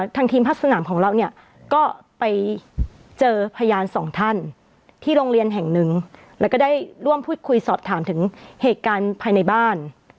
ทางทีมพัฒนาสนามของเราเนี่ยก็ไปเจอพยานสองท่านที่โรงเรียนแห่งหนึ่งแล้วก็ได้ร่วมพูดคุยสอบถามถึงเหตุการณ์ภายในบ้าน